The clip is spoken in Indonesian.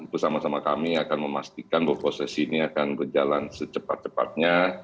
bersama sama kami akan memastikan bahwa proses ini akan berjalan secepat cepatnya